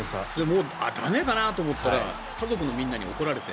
駄目かなと思ったら家族のみんなに怒られて。